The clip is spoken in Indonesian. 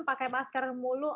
pakai masker mulu